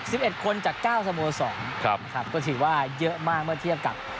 สิบเอ็ดคนจากเก้าสโมสรครับนะครับก็ถือว่าเยอะมากเมื่อเทียบกับ